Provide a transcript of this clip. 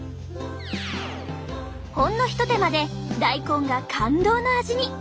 ほんの一手間で大根が感動の味に。